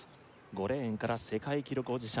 ５レーンから世界記録保持者